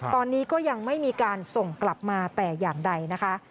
ตอนนี้ก็ยังไม่มีการส่งกลับมาแต่อย่างใดนะคะ